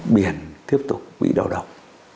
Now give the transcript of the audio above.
biển tiếp tục bị đau động